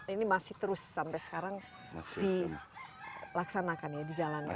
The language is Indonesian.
ini masih terus sampai sekarang dilaksanakan ya dijalankan